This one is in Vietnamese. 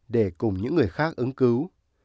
để cùng những người khác ứng cứu